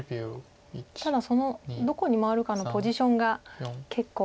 ただどこに回るかのポジションが結構。